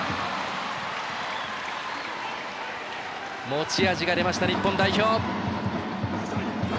持ち味が出ました日本代表。